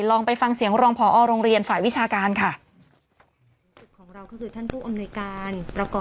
ลองไปฟังเสียงรองพอโรงเรียนฝ่ายวิชาการค่ะ